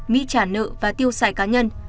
mỹ trả nợ và tiêu xài cá nhân